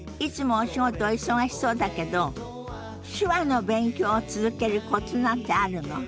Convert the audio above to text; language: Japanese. お忙しそうだけど手話の勉強を続けるコツなんてあるの？